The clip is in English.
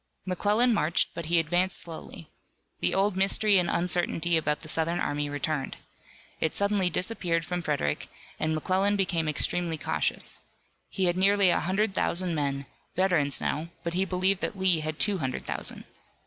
McClellan marched, but he advanced slowly. The old mystery and uncertainty about the Southern army returned. It suddenly disappeared from Frederick, and McClellan became extremely cautious. He had nearly a hundred thousand men, veterans now, but he believed that Lee had two hundred thousand.